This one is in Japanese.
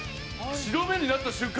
白目になった瞬間